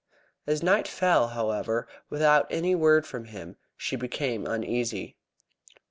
As night fell, however, without any word from him, she became uneasy.